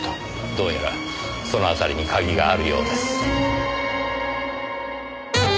どうやらその辺りに鍵があるようです。